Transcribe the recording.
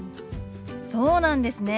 そうなんですね。